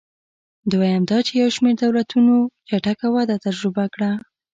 دویم دا چې یو شمېر دولتونو چټکه وده تجربه کړه.